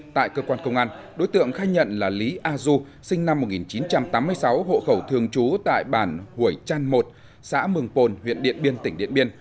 tại cơ quan công an đối tượng khai nhận là lý a du sinh năm một nghìn chín trăm tám mươi sáu hộ khẩu thường trú tại bản hủy chăn một xã mường pồn huyện điện biên tỉnh điện biên